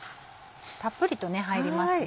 たっぷりと入りますね。